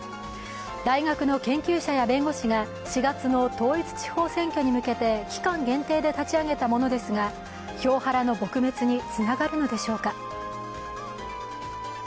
大学の研究者や弁護士が４月の統一地方選挙に向けて期間限定で立ち上げたものですが票ハラの撲滅につながるのでしょうか。